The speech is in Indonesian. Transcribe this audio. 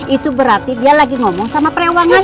itu berarti dia lagi ngomong sama perewangan